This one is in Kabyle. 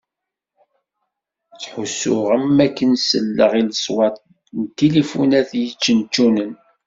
Ttḥussuɣ am wakken selleɣ i leṣwat n tilifunat i yeččenčunen.